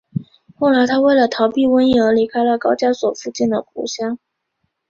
后来他为了逃避瘟疫而离开了高加索附近的故乡。